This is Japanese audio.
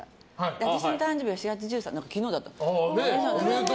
私の誕生日は４月１３日で昨日だったんです。